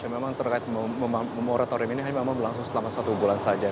memang terkait memoratorium ini hanya memang berlangsung selama satu bulan saja